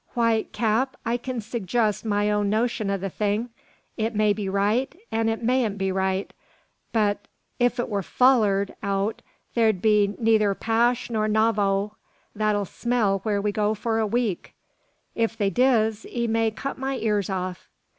"Why, cap, I kin surgest my own notion o' the thing. It may be right, an' it mayn't be right; but if it wur follered out, there'll be neither 'Pash nor Navagh that'll smell where we go for a week. If they diz, 'ee may cut my ears off."